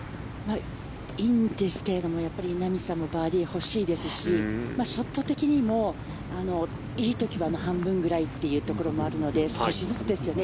いいんですけれどもやっぱり稲見さんもバーディーが欲しいですしショット的にも、いい時はあの半分くらいというところもあるので少しずつですよね。